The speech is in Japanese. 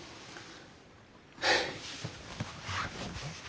はあ。